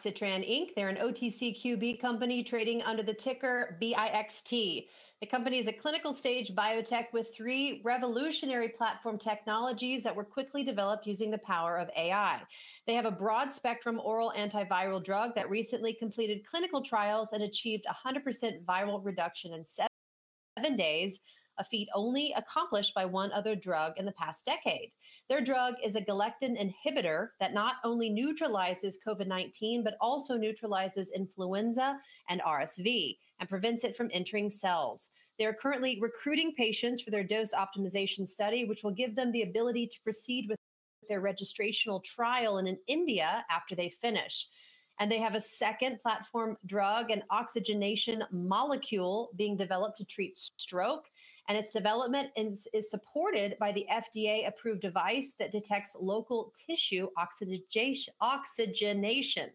BioXyTran. They're an OTCQB company trading under the ticker BIXT. The company is a clinical stage biotech with three revolutionary platform technologies that were quickly developed using the power of AI. They have a broad-spectrum oral antiviral drug that recently completed clinical trials and achieved 100% viral reduction in seven days, a feat only accomplished by one other drug in the past decade. Their drug is a galectin inhibitor that not only neutralizes COVID-19, but also neutralizes influenza and RSV, and prevents it from entering cells. They are currently recruiting patients for their dose optimization study, which will give them the ability to proceed with their registrational trial in India after they finish. They have a second platform drug, an oxygenation molecule being developed to treat stroke, and its development is supported by the FDA-approved device that detects local tissue oxygenation.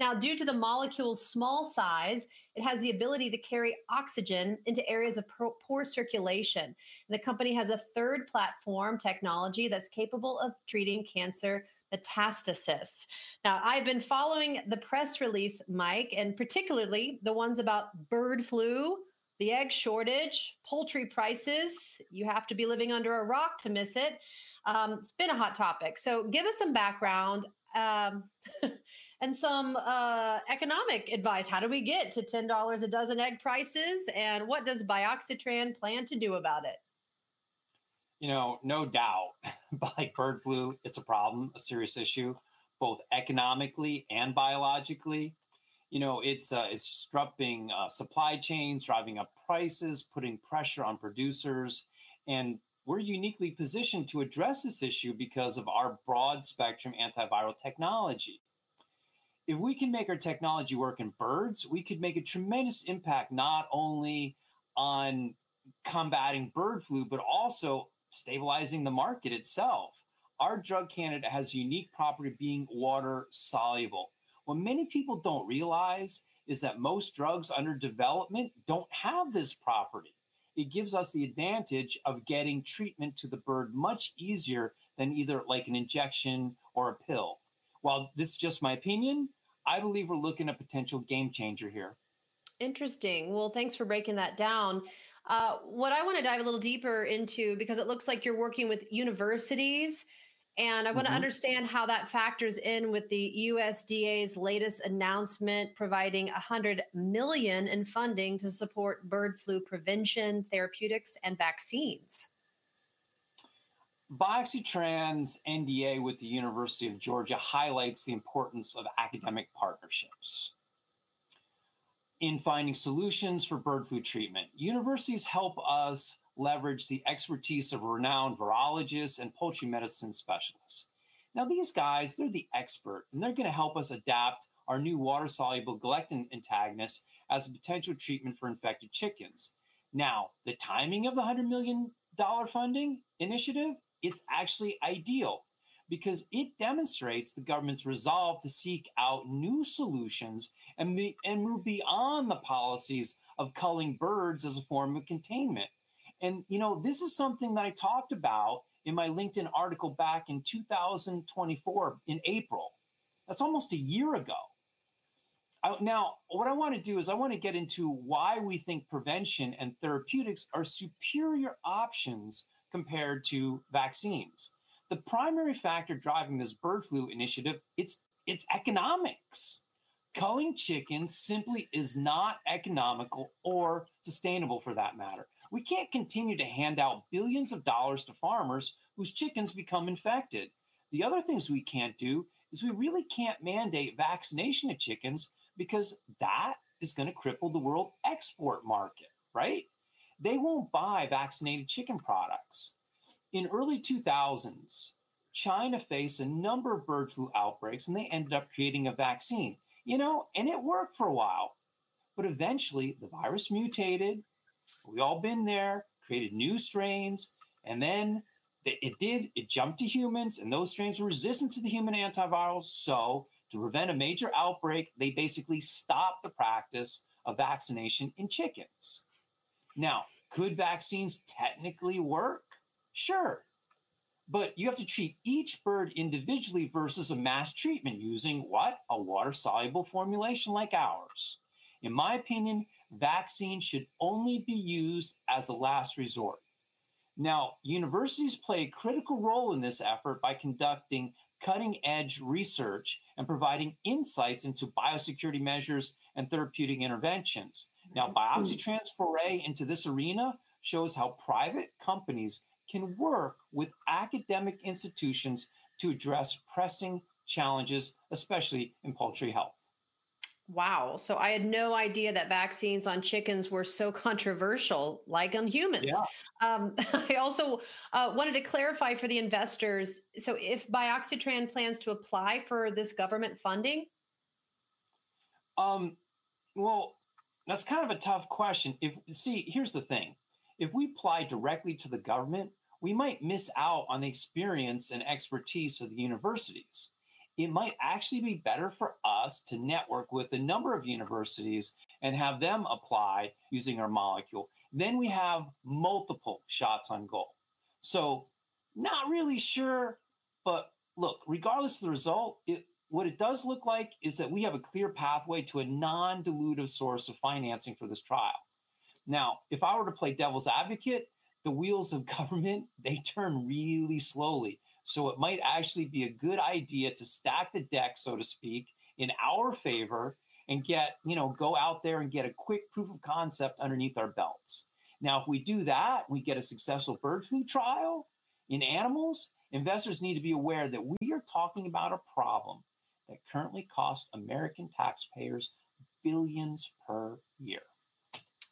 Now, due to the molecule's small size, it has the ability to carry oxygen into areas of poor circulation. The company has a third platform technology that's capable of treating cancer, metastasis. I've been following the press release, Mike, and particularly the ones about bird flu, the egg shortage, poultry prices. You have to be living under a rock to miss it. It's been a hot topic. Give us some background and some economic advice. How do we get to $10 a dozen egg prices, and what does BioXyTran plan to do about it? You know, no doubt, like bird flu, it's a problem, a serious issue, both economically and biologically. You know, it's disrupting supply chains, driving up prices, putting pressure on producers. And we're uniquely positioned to address this issue because of our broad-spectrum antiviral technology. If we can make our technology work in birds, we could make a tremendous impact not only on combating bird flu, but also stabilizing the market itself. Our drug candidate has a unique property of being water-soluble. What many people don't realize is that most drugs under development don't have this property. It gives us the advantage of getting treatment to the bird much easier than either like an injection or a pill. While this is just my opinion, I believe we're looking at a potential game changer here. Interesting. Thanks for breaking that down. What I want to dive a little deeper into, because it looks like you're working with universities, and I want to understand how that factors in with the USDA's latest announcement providing $100 million in funding to support bird flu prevention, therapeutics, and vaccines. BioXyTran's NDA with the University of Georgia highlights the importance of academic partnerships in finding solutions for bird flu treatment. Universities help us leverage the expertise of renowned virologists and poultry medicine specialists. Now, these guys, they're the expert, and they're going to help us adapt our new water-soluble galectin antagonist as a potential treatment for infected chickens. Now, the timing of the $100 million funding initiative, it's actually ideal, because it demonstrates the government's resolve to seek out new solutions and move beyond the policies of culling birds as a form of containment. You know, this is something that I talked about in my LinkedIn article back in 2024, in April. That's almost a year ago. Now, what I want to do is I want to get into why we think prevention and therapeutics are superior options compared to vaccines. The primary factor driving this bird flu initiative, it's economics. Culling chickens simply is not economical or sustainable for that matter. We can't continue to hand out billions of dollars to farmers whose chickens become infected. The other things we can't do is we really can't mandate vaccination of chickens, because that is going to cripple the world export market, right? They won't buy vaccinated chicken products. In the early 2000s, China faced a number of bird flu outbreaks, and they ended up creating a vaccine. You know, and it worked for a while. Eventually, the virus mutated. We've all been there, created new strains, and then it did, it jumped to humans, and those strains were resistant to the human antivirals. To prevent a major outbreak, they basically stopped the practice of vaccination in chickens. Now, could vaccines technically work? Sure. You have to treat each bird individually versus a mass treatment using what? A water-soluble formulation like ours. In my opinion, vaccines should only be used as a last resort. Now, universities play a critical role in this effort by conducting cutting-edge research and providing insights into biosecurity measures and therapeutic interventions. Now, BioXyTran's foray into this arena shows how private companies can work with academic institutions to address pressing challenges, especially in poultry health. Wow. I had no idea that vaccines on chickens were so controversial, like on humans. Yeah. I also wanted to clarify for the investors, so if BioXyTran plans to apply for this government funding? That's kind of a tough question. See, here's the thing. If we apply directly to the government, we might miss out on the experience and expertise of the universities. It might actually be better for us to network with a number of universities and have them apply using our molecule. Then we have multiple shots on goal. Not really sure, but look, regardless of the result, what it does look like is that we have a clear pathway to a non-dilutive source of financing for this trial. Now, if I were to play devil's advocate, the wheels of government, they turn really slowly. It might actually be a good idea to stack the deck, so to speak, in our favor and get, you know, go out there and get a quick proof of concept underneath our belts. Now, if we do that, we get a successful bird flu trial in animals, investors need to be aware that we are talking about a problem that currently costs American taxpayers billions per year.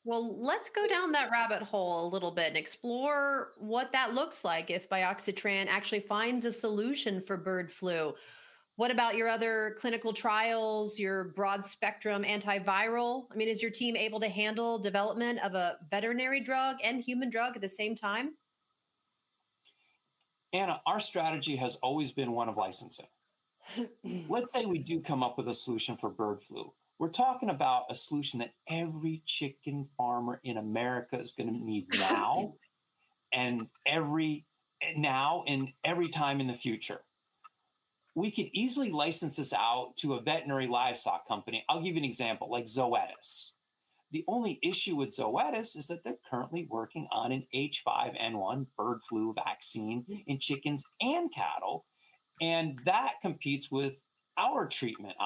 Let's go down that rabbit hole a little bit and explore what that looks like if BioXyTran actually finds a solution for bird flu. What about your other clinical trials, your broad-spectrum antiviral? I mean, is your team able to handle development of a veterinary drug and human drug at the same time? Anna, our strategy has always been one of licensing. Let's say we do come up with a solution for bird flu. We're talking about a solution that every chicken farmer in America is going to need now and every time in the future. We could easily license this out to a veterinary livestock company. I'll give you an example, like Zoetis. The only issue with Zoetis is that they're currently working on an H5N1 bird flu vaccine in chickens and cattle, and that competes with our treatment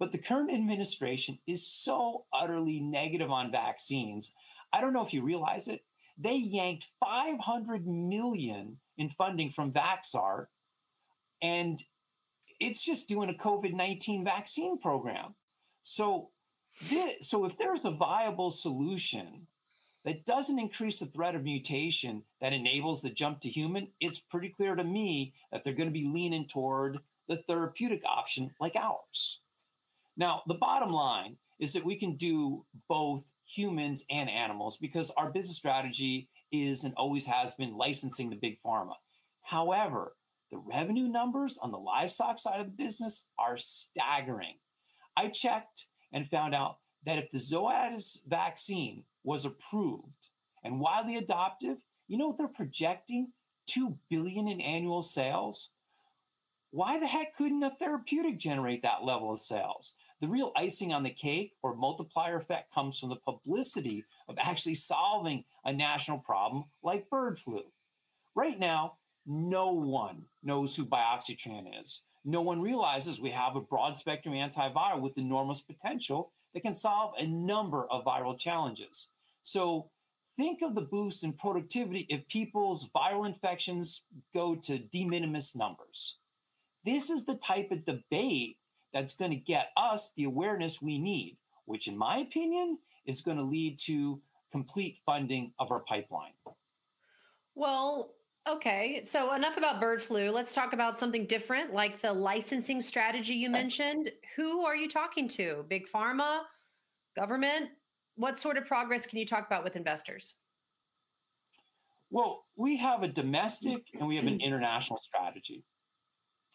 option. The current administration is so utterly negative on vaccines, I don't know if you realize it, they yanked $500 million in funding from Vaxart, and it's just doing a COVID-19 vaccine program. If there's a viable solution that doesn't increase the threat of mutation that enables the jump to human, it's pretty clear to me that they're going to be leaning toward the therapeutic option like ours. Now, the bottom line is that we can do both humans and animals, because our business strategy is and always has been licensing to big pharma. However, the revenue numbers on the livestock side of the business are staggering. I checked and found out that if the Zoetis vaccine was approved and widely adopted, you know what they're projecting? $2 billion in annual sales. Why the heck couldn't a therapeutic generate that level of sales? The real icing on the cake or multiplier effect comes from the publicity of actually solving a national problem like bird flu. Right now, no one knows who BioXyTran is. No one realizes we have a broad-spectrum antiviral with enormous potential that can solve a number of viral challenges. Think of the boost in productivity if people's viral infections go to de minimis numbers. This is the type of debate that's going to get us the awareness we need, which in my opinion is going to lead to complete funding of our pipeline. Okay, so enough about bird flu. Let's talk about something different, like the licensing strategy you mentioned. Who are you talking to? Big pharma? Government? What sort of progress can you talk about with investors? We have a domestic and we have an international strategy.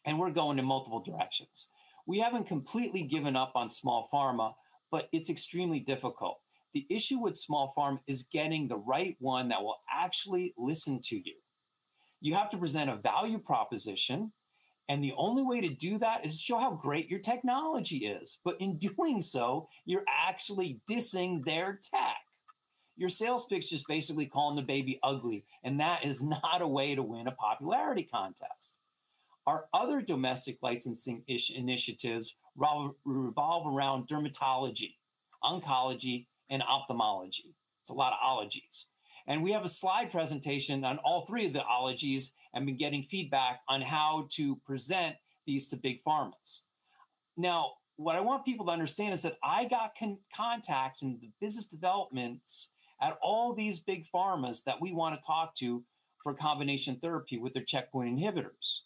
We are going in multiple directions. We have not completely given up on small pharma, but it is extremely difficult. The issue with small pharma is getting the right one that will actually listen to you. You have to present a value proposition, and the only way to do that is to show how great your technology is. In doing so, you are actually dissing their tech. Your sales pitch is just basically calling the baby ugly, and that is not a way to win a popularity contest. Our other domestic licensing initiatives revolve around dermatology, oncology, and ophthalmology. It is a lot of ologies. We have a slide presentation on all three of the ologies and have been getting feedback on how to present these to big pharmas. Now, what I want people to understand is that I got contacts in the business developments at all these big pharmas that we want to talk to for combination therapy with their checkpoint inhibitors.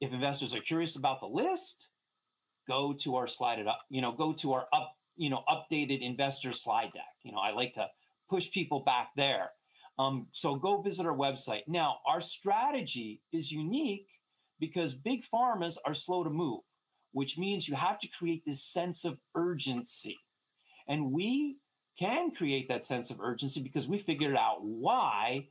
If investors are curious about the list, go to our slide deck, you know, go to our updated investor slide deck. You know, I like to push people back there. So go visit our website. Now, our strategy is unique because big pharmas are slow to move, which means you have to create this sense of urgency. And we can create that sense of urgency because we figured out why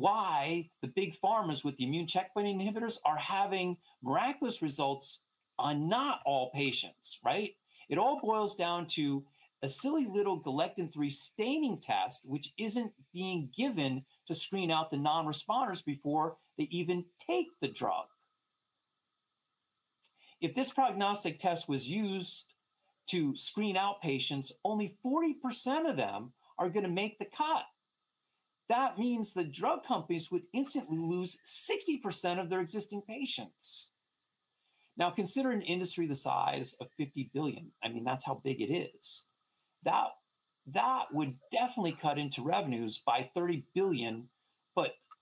the big pharmas with the immune checkpoint inhibitors are having miraculous results on not all patients, right? It all boils down to a silly little galectin-3 staining test, which isn't being given to screen out the non-responders before they even take the drug. If this prognostic test was used to screen out patients, only 40% of them are going to make the cut. That means the drug companies would instantly lose 60% of their existing patients. Now, consider an industry the size of $50 billion. I mean, that's how big it is. That would definitely cut into revenues by $30 billion.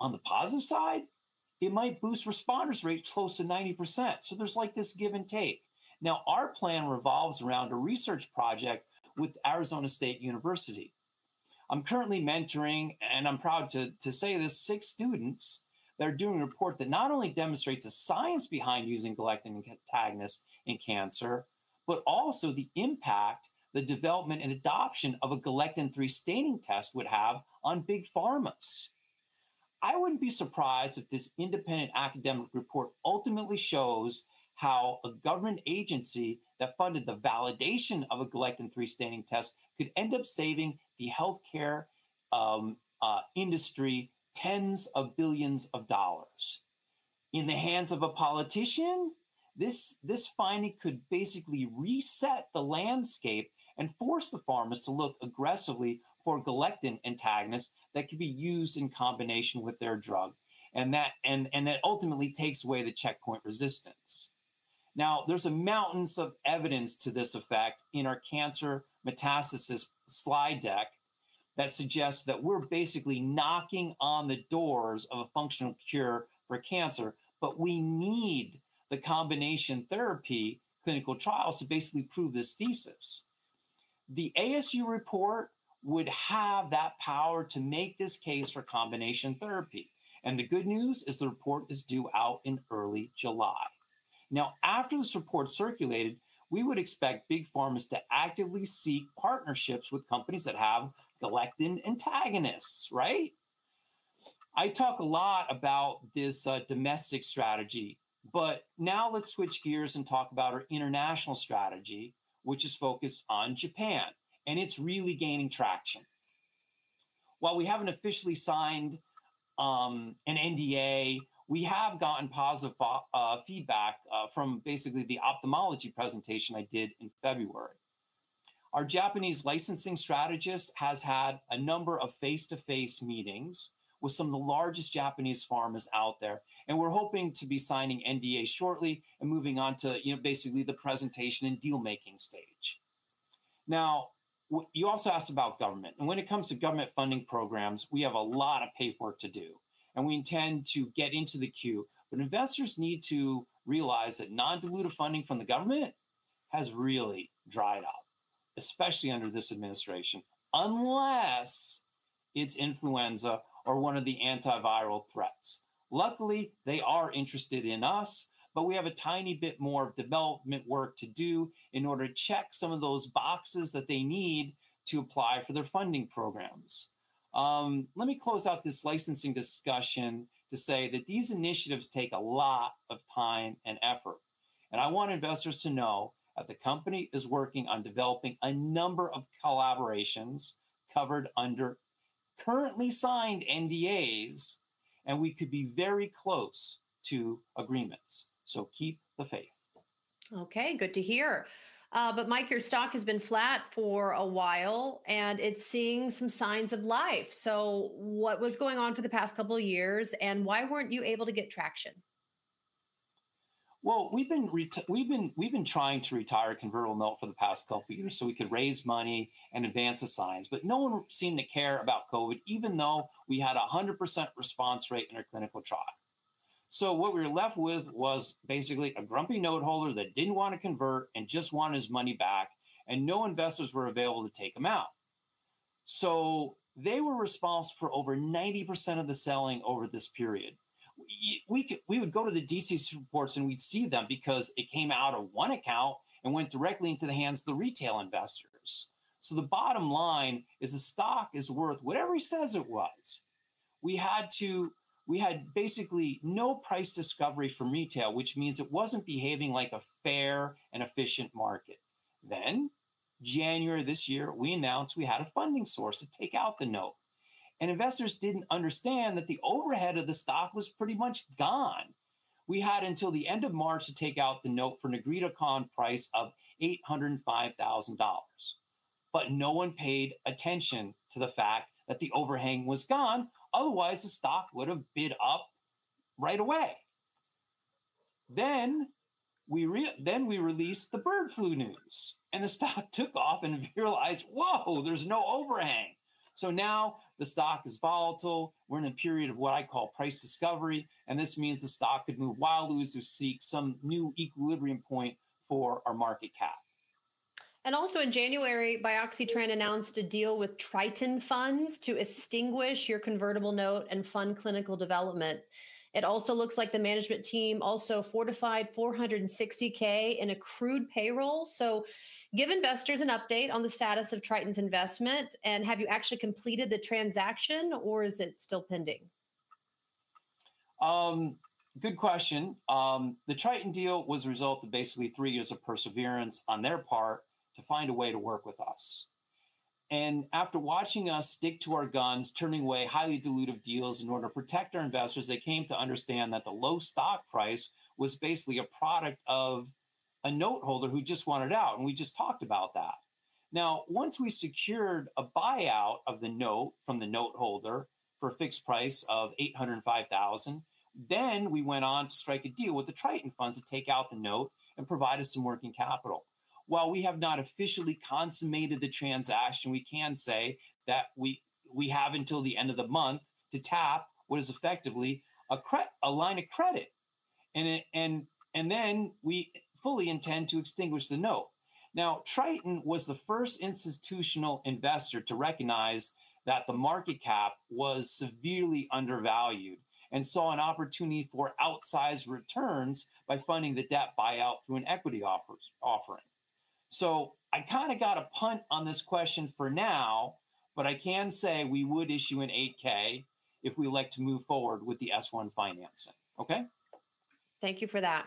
On the positive side, it might boost responders' rate close to 90%. There's like this give and take. Now, our plan revolves around a research project with Arizona State University. I'm currently mentoring, and I'm proud to say this, six students that are doing a report that not only demonstrates the science behind using galectin antagonists in cancer, but also the impact the development and adoption of a galectin-3 staining test would have on big pharmas. I wouldn't be surprised if this independent academic report ultimately shows how a government agency that funded the validation of a galectin-3 staining test could end up saving the healthcare industry tens of billions of dollars. In the hands of a politician, this finding could basically reset the landscape and force pharma to look aggressively for galectin antagonists that could be used in combination with their drug, and that ultimately takes away the checkpoint resistance. Now, there's a mountain of evidence to this effect in our cancer metastasis slide deck that suggests that we're basically knocking on the doors of a functional cure for cancer, but we need the combination therapy clinical trials to basically prove this thesis. The ASU report would have that power to make this case for combination therapy. The good news is the report is due out in early July. Now, after this report circulated, we would expect big pharma to actively seek partnerships with companies that have galectin antagonists, right? I talk a lot about this domestic strategy, but now let's switch gears and talk about our international strategy, which is focused on Japan, and it's really gaining traction. While we haven't officially signed an NDA, we have gotten positive feedback from basically the ophthalmology presentation I did in February. Our Japanese licensing strategist has had a number of face-to-face meetings with some of the largest Japanese pharma out there, and we're hoping to be signing NDA shortly and moving on to, you know, basically the presentation and deal-making stage. You also asked about government. When it comes to government funding programs, we have a lot of paperwork to do, and we intend to get into the queue. Investors need to realize that non-dilutive funding from the government has really dried up, especially under this administration, unless it's influenza or one of the antiviral threats. Luckily, they are interested in us, but we have a tiny bit more development work to do in order to check some of those boxes that they need to apply for their funding programs. Let me close out this licensing discussion to say that these initiatives take a lot of time and effort. I want investors to know that the company is working on developing a number of collaborations covered under currently signed NDAs, and we could be very close to agreements. Keep the faith. Okay, good to hear. Mike, your stock has been flat for a while, and it's seeing some signs of life. What was going on for the past couple of years, and why weren't you able to get traction? We've been trying to retire convertible note for the past couple of years so we could raise money and advance the science, but no one seemed to care about COVID, even though we had a 100% response rate in our clinical trial. What we were left with was basically a grumpy note holder that didn't want to convert and just wanted his money back, and no investors were available to take him out. They were responsible for over 90% of the selling over this period. We would go to the DTC reports and we'd see them because it came out of one account and went directly into the hands of the retail investors. The bottom line is the stock is worth whatever he says it was. We had basically no price discovery from retail, which means it wasn't behaving like a fair and efficient market. In January of this year, we announced we had a funding source to take out the note. Investors did not understand that the overhead of the stock was pretty much gone. We had until the end of March to take out the note for a negotiated price of $805,000. No one paid attention to the fact that the overhang was gone. Otherwise, the stock would have bid up right away. We released the bird flu news, and the stock took off and realized, whoa, there is no overhang. Now the stock is volatile. We are in a period of what I call price discovery, and this means the stock could move wildly to seek some new equilibrium point for our market cap. Also in January, BioXyTran announced a deal with Triton Funds to extinguish your convertible note and fund clinical development. It also looks like the management team also fortified $460,000 in accrued payroll. Give investors an update on the status of Triton's investment, and have you actually completed the transaction, or is it still pending? Good question. The Triton deal was a result of basically three years of perseverance on their part to find a way to work with us. After watching us stick to our guns, turning away highly dilutive deals in order to protect our investors, they came to understand that the low stock price was basically a product of a note holder who just wanted out, and we just talked about that. Once we secured a buyout of the note from the note holder for a fixed price of $805,000, we went on to strike a deal with the Triton Funds to take out the note and provide us some working capital. While we have not officially consummated the transaction, we can say that we have until the end of the month to tap what is effectively a line of credit. We fully intend to extinguish the note. Triton was the first institutional investor to recognize that the market cap was severely undervalued and saw an opportunity for outsized returns by funding the debt buyout through an equity offering. I kind of got a punt on this question for now, but I can say we would issue an 8-K if we like to move forward with the S-1 financing, okay? Thank you for that.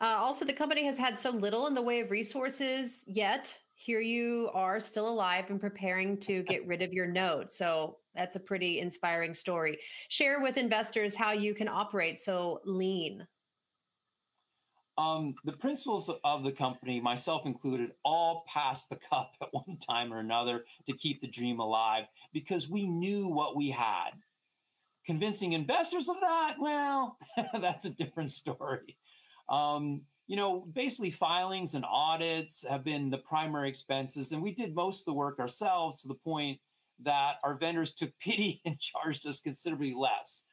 Also, the company has had so little in the way of resources yet. Here you are still alive and preparing to get rid of your note. That is a pretty inspiring story. Share with investors how you can operate so lean. The principals of the company, myself included, all passed the cut at one time or another to keep the dream alive because we knew what we had. Convincing investors of that, well, that's a different story. You know, basically filings and audits have been the primary expenses, and we did most of the work ourselves to the point that our vendors took pity and charged us considerably less.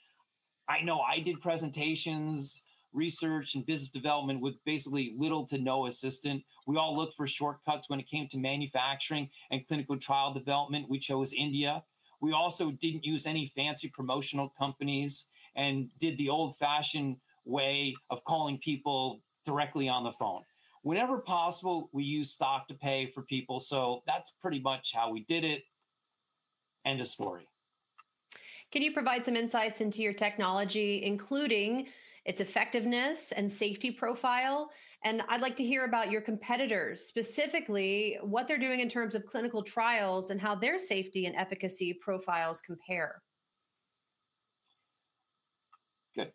I know I did presentations, research, and business development with basically little to no assistant. We all looked for shortcuts when it came to manufacturing and clinical trial development. We chose India. We also didn't use any fancy promotional companies and did the old-fashioned way of calling people directly on the phone. Whenever possible, we used stock to pay for people. So that's pretty much how we did it. End of story. Can you provide some insights into your technology, including its effectiveness and safety profile? I would like to hear about your competitors, specifically what they are doing in terms of clinical trials and how their safety and efficacy profiles compare. Good.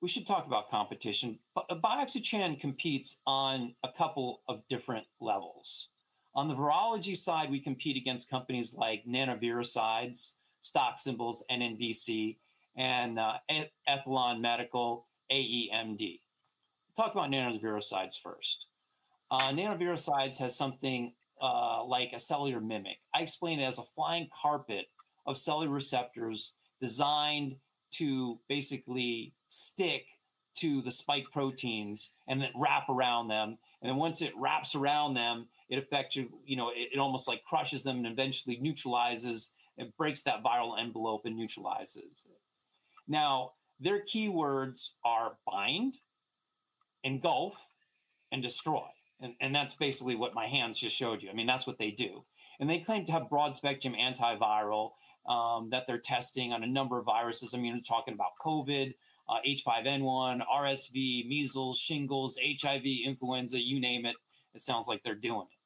We should talk about competition. BioXyTran competes on a couple of different levels. On the virology side, we compete against companies like NanoViricides, stock symbols NNVC, and Aethlon Medical, AEMD. Talk about NanoViricides first. NanoViricides has something like a cellular mimic. I explain it as a flying carpet of cellular receptors designed to basically stick to the spike proteins and then wrap around them. Once it wraps around them, it affects you, you know, it almost like crushes them and eventually neutralizes and breaks that viral envelope and neutralizes it. Their keywords are bind, engulf, and destroy. That's basically what my hands just showed you. I mean, that's what they do. They claim to have broad-spectrum antiviral that they're testing on a number of viruses. I mean, we're talking about COVID, H5N1, RSV, measles, shingles, HIV, influenza, you name it, it sounds like they're doing it.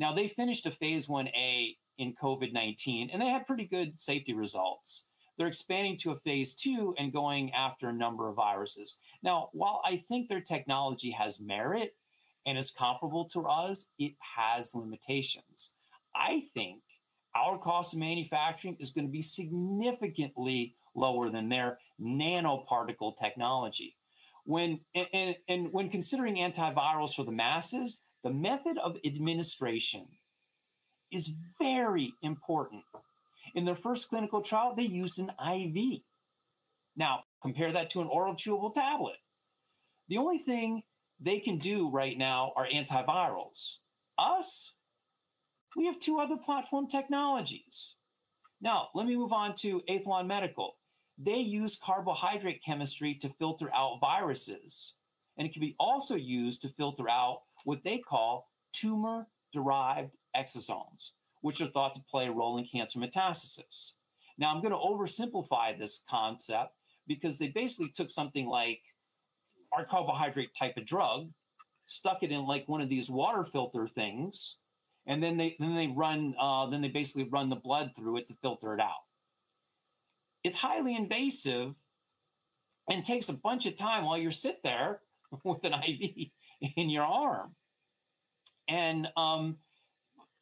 Now, they finished a phase I-A in COVID-19, and they had pretty good safety results. They're expanding to a phase II and going after a number of viruses. Now, while I think their technology has merit and is comparable to us, it has limitations. I think our cost of manufacturing is going to be significantly lower than their nanoparticle technology. When considering antivirals for the masses, the method of administration is very important. In their first clinical trial, they used an IV. Now, compare that to an oral chewable tablet. The only thing they can do right now are antivirals. Us? We have two other platform technologies. Now, let me move on to Aethlon Medical. They use carbohydrate chemistry to filter out viruses, and it can be also used to filter out what they call tumor-derived exosomes, which are thought to play a role in cancer metastasis. Now, I'm going to oversimplify this concept because they basically took something like our carbohydrate type of drug, stuck it in like one of these water filter things, and then they basically run the blood through it to filter it out. It's highly invasive and takes a bunch of time while you're sitting there with an IV in your arm.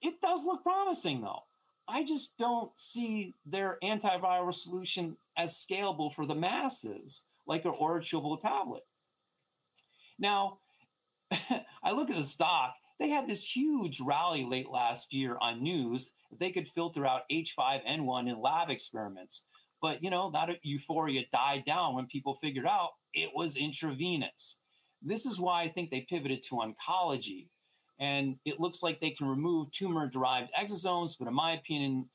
It does look promising, though. I just don't see their antiviral solution as scalable for the masses like an oral chewable tablet. Now, I look at the stock. They had this huge rally late last year on news that they could filter out H5N1 in lab experiments. But, you know, that euphoria died down when people figured out it was intravenous. This is why I think they pivoted to oncology. It looks like they can remove tumor-derived exosomes, but in my opinion,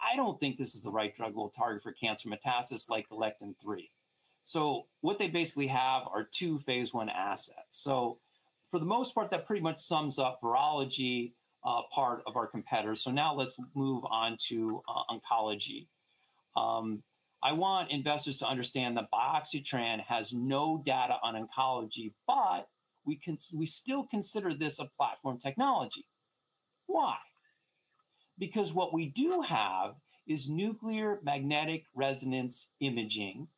I don't think this is the right drug we'll target for cancer metastasis like galectin-3. What they basically have are two phase I assets. For the most part, that pretty much sums up virology part of our competitors. Now let's move on to oncology. I want investors to understand that BioXyTran has no data on oncology, but we still consider this a platform technology. Why? Because what we do have is nuclear magnetic resonance imaging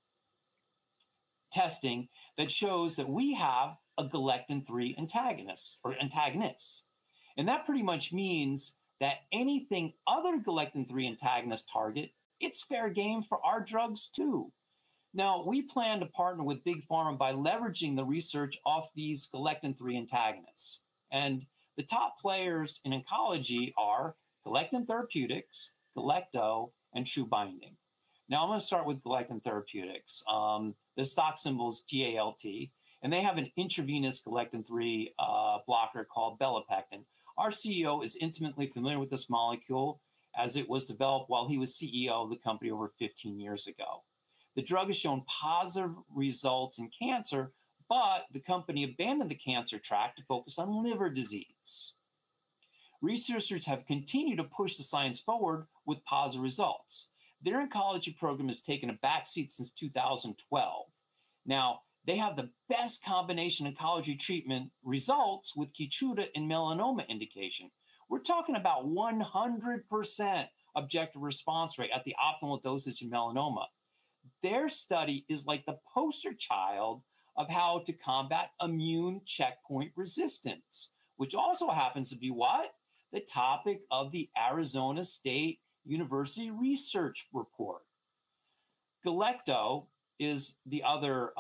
testing that shows that we have a galectin-3 antagonist or antagonists. That pretty much means that anything other galectin-3 antagonists target, it's fair game for our drugs too. Now, we plan to partner with big pharma by leveraging the research off these galectin-3 antagonists. The top players in oncology are Galectin Therapeutics, Galecto, and TrueBinding. Now, I'm going to start with Galectin Therapeutics. Their stock symbol is GALT, and they have an intravenous galectin-3 blocker called belapectin. Our CEO is intimately familiar with this molecule as it was developed while he was CEO of the company over 15 years ago. The drug has shown positive results in cancer, but the company abandoned the cancer track to focus on liver disease. Researchers have continued to push the science forward with positive results. Their oncology program has taken a backseat since 2012. Now, they have the best combination oncology treatment results with Keytruda in melanoma indication. We're talking about 100% objective response rate at the optimal dosage in melanoma. Their study is like the poster child of how to combat immune checkpoint resistance, which also happens to be what? The topic of the Arizona State University research report. Galecto is the other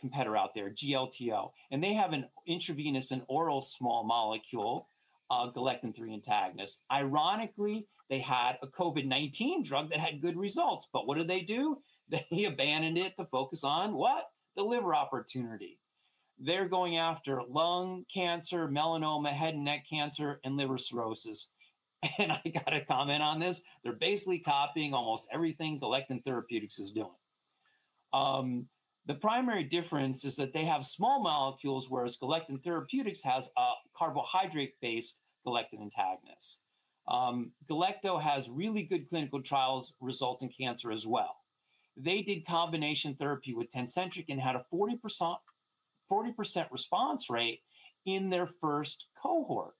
competitor out there, GLTO. They have an intravenous and oral small molecule, galectin-3 antagonist. Ironically, they had a COVID-19 drug that had good results, but what did they do? They abandoned it to focus on what? The liver opportunity. They're going after lung cancer, melanoma, head and neck cancer, and liver cirrhosis. I got to comment on this. They're basically copying almost everything Galectin Therapeutics is doing. The primary difference is that they have small molecules, whereas Galectin Therapeutics has a carbohydrate-based galectin antagonist. Galecto has really good clinical trials results in cancer as well. They did combination therapy with Tecentriq and had a 40% response rate in their first cohort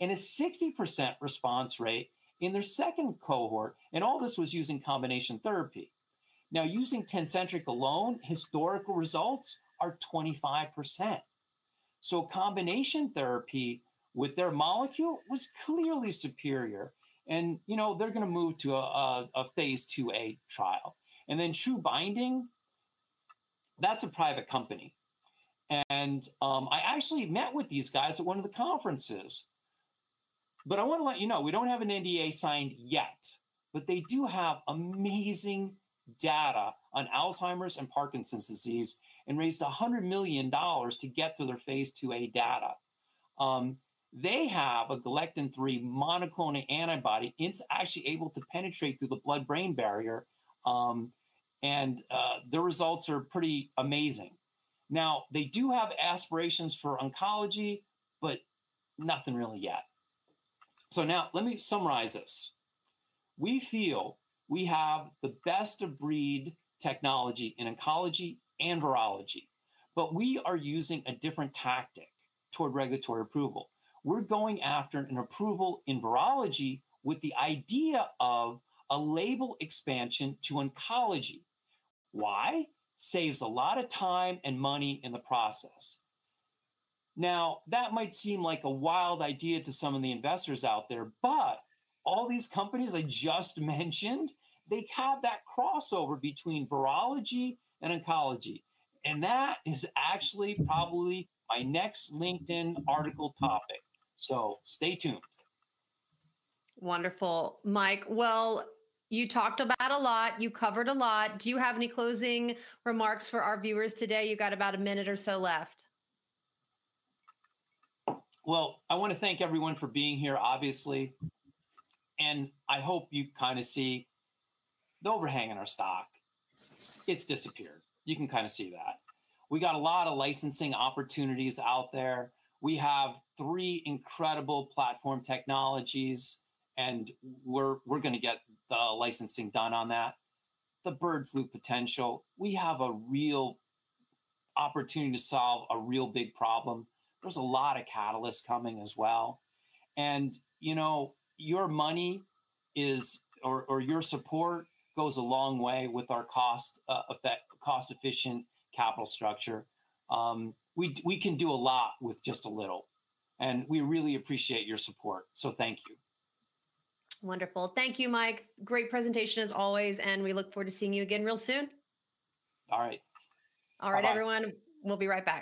and a 60% response rate in their second cohort. All this was using combination therapy. Now, using Tecentriq alone, historical results are 25%. Combination therapy with their molecule was clearly superior. You know, they're going to move to a phase II-A trial. TrueBinding, that's a private company. I actually met with these guys at one of the conferences. I want to let you know, we don't have an NDA signed yet, but they do have amazing data on Alzheimer's and Parkinson's disease and raised $100 million to get through their phase II-A data. They have a galectin-3 monoclonal antibody. It's actually able to penetrate through the blood-brain barrier, and the results are pretty amazing. They do have aspirations for oncology, but nothing really yet. Let me summarize this. We feel we have the best of breed technology in oncology and virology, but we are using a different tactic toward regulatory approval. We're going after an approval in virology with the idea of a label expansion to oncology. Why? Saves a lot of time and money in the process. That might seem like a wild idea to some of the investors out there, but all these companies I just mentioned, they have that crossover between virology and oncology. That is actually probably my next LinkedIn article topic. Stay tuned. Wonderful. Mike, you talked about a lot. You covered a lot. Do you have any closing remarks for our viewers today? You got about a minute or so left. I want to thank everyone for being here, obviously. I hope you kind of see the overhang in our stock. It's disappeared. You can kind of see that. We got a lot of licensing opportunities out there. We have three incredible platform technologies, and we're going to get the licensing done on that. The bird flu potential, we have a real opportunity to solve a real big problem. There's a lot of catalysts coming as well. You know, your money is, or your support goes a long way with our cost-efficient capital structure. We can do a lot with just a little. We really appreciate your support. Thank you. Wonderful. Thank you, Mike. Great presentation as always. We look forward to seeing you again real soon. All right. All right, everyone. We'll be right back.